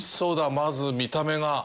まず、見た目が。